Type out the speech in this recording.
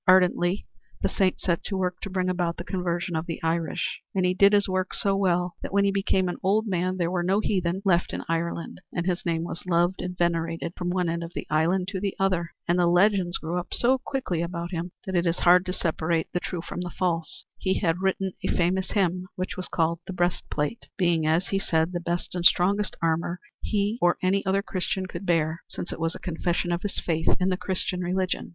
Ardently the Saint set to work to bring about the conversion of the Irish, and he did his work so well that when he became an old man there were no heathen left in Ireland, and his name was loved and venerated from one end of the island to the other. And the legends grew up so quickly about him that it is hard to separate the true from the false. He had written a famous hymn which was called "the breastplate," being as he said the best and strongest armor he or any other Christian could bear, since it was a confession of his faith in the Christian religion.